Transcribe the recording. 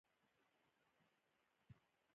مينه چې ډاکټر حشمتي وليده نو حیران شو